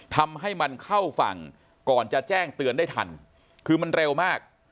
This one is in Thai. ทำให้มันเข้าฝั่งก่อนจะแจ้งเตือนได้ทันคือมันเร็วมาก